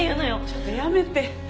ちょっとやめて。